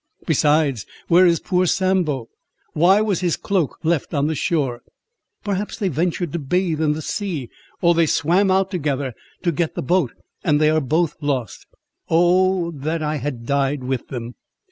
Besides, where is poor Sambo? why was his cloak left on the shore? Perhaps they ventured to bathe in the sea, or they swam out together to get the boat and they are both lost. Oh that I had died with them!"